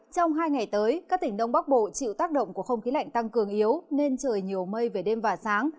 trong hai ngày tới các tỉnh đông bắc bộ chịu tác động của không khí lạnh tăng cường yếu nên trời nhiều mây về đêm và sáng